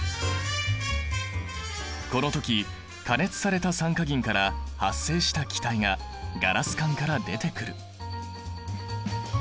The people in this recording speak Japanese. この時加熱された酸化銀から発生した気体がガラス管から出てくる。